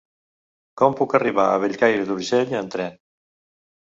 Com puc arribar a Bellcaire d'Urgell amb tren?